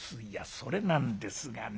「それなんですがね